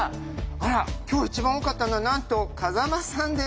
あら今日一番多かったのはなんと風間さんです。